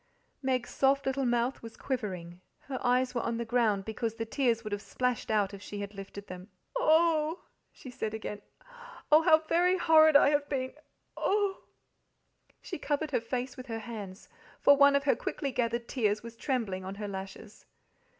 Meg's little soft mouth, was quivering, her eyes were on the ground, because the tears would have splashed out if she had lifted them. "Oh h h!" she said again. "Oh, how very horrid I have been oh h h!" She covered her face with her hands, for one of her quickly gathered tears was trembling on her lashes.